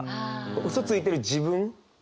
嘘ついてる自分。